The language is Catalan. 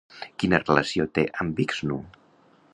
Quina relació té amb Vixnu?